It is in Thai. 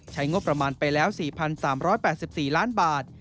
งบประมาณไปแล้ว๔๓๘๔ล้านบาท